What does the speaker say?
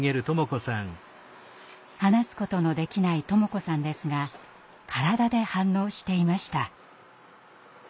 話すことのできない智子さんですが体で反応していました。